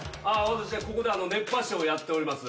私はここで熱波師をやっております。